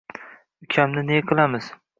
— Ukamni ne qilamiz?